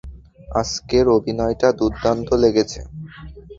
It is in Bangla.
আজকের অভিনয়টা দুর্দান্ত লেগেছে।